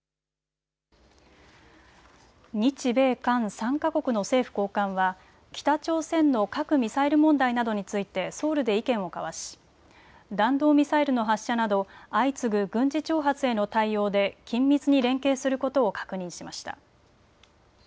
日米韓３か国の政府高官は北朝鮮の核・ミサイル問題などについてソウルで意見を交わし弾道ミサイルの発射など相次ぐ軍事挑発への対応で緊密に連携することを確認しました。